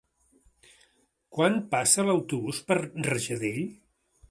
Quan passa l'autobús per Rajadell?